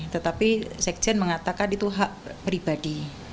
tetapi sekjen mengatakan itu hak pribadi